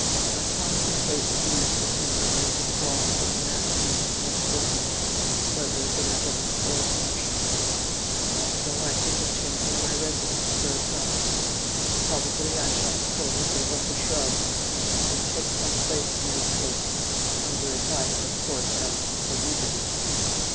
I contemplate at least a temporary withdrawal from the management of much business, whether benevolent or commercial. Also I think of changing my residence for a time: probably I shall close or let 'The Shrubs,' and take some place near the coast—under advice of course as to salubrity.